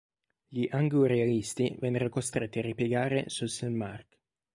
Gli anglo-realisti vennero costretti a ripiegare su Saint-Marc.